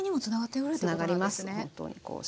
つながりますね。